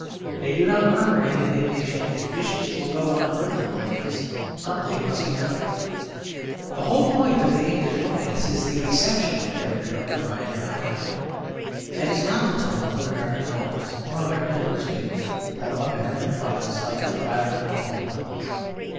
They do not murmur in indignation, 'If bishops will go on burgling like this, something must be done.' The whole point of the English romance is the exceptional character of a crime in high life. That is not the tone of American novels or American newspapers or American trials like the trial in Oklahoma.